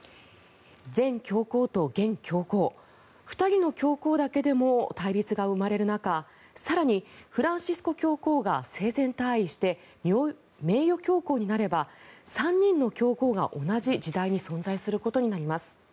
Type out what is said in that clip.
前教皇と現教皇２人の教皇だけでも対立が生まれる中更に、フランシスコ教皇が生前退位して名誉教皇になれば３人の教皇が同じ時代に存在することになります。